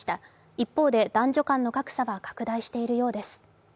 一方で、男女間の格差は拡大しているようです。